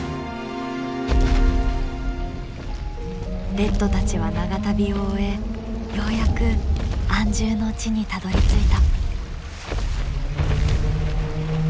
レッドたちは長旅を終えようやく安住の地にたどりついた。